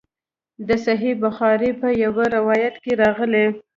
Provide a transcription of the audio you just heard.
د صحیح بخاري په یوه روایت کې راغلي.